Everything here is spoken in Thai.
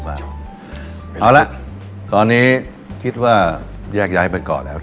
เอาละตอนนี้คิดว่าแยกย้ายไปก่อนแล้ว